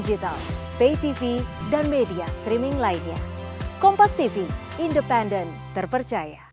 selamat belajaran sama keluarga